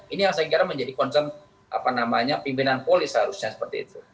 ini yang saya kira menjadi concern apa namanya pimpinan polis seharusnya seperti itu